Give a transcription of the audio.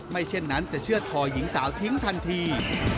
เช่นนั้นจะเชื่อดคอหญิงสาวทิ้งทันที